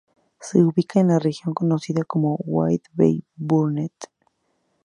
Se ubica en la región conocida como Wide Bay–Burnett.